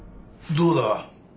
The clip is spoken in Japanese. どうだ？